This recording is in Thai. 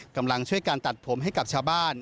กำลังช่วยการตัดผมให้กับชาวบ้าน